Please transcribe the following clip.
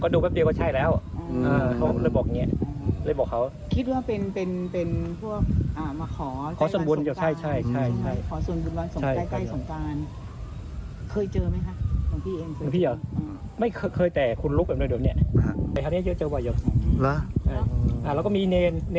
เดี๋ยวว่าตรงขาวของขาวจะยืนตรงสะพาน